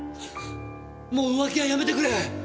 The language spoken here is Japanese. もう浮気はやめてくれ！